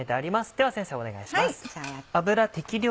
では先生お願いします。